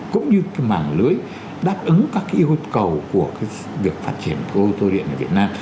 cũng như cái mảng lưới đáp ứng các cái yêu cầu của cái việc phát triển ô tô điện ở việt nam